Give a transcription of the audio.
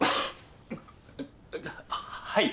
はい。